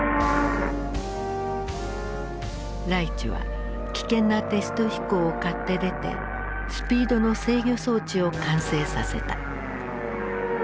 ライチュは危険なテスト飛行を買って出てスピードの制御装置を完成させた。